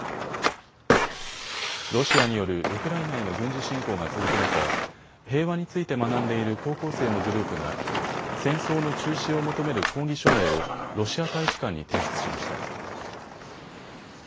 ロシアによるウクライナへの軍事侵攻が続く中、平和について学んでいる高校生のグループが戦争の中止を求める抗議署名をロシア大使館に提出しました。